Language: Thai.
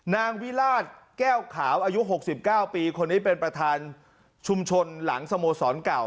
นางวิราชแก้วขาวอายุ๖๙ปีคนนี้เป็นประธานชุมชนหลังสโมสรเก่า